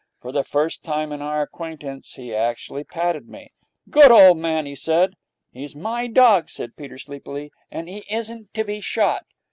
For the first time in our acquaintance he actually patted me. 'Good old man!' he said. 'He's my dog,' said Peter sleepily, 'and he isn't to be shot.'